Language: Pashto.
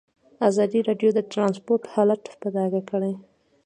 ازادي راډیو د ترانسپورټ حالت په ډاګه کړی.